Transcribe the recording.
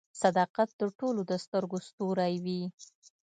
• صداقت د ټولو د سترګو ستوری وي.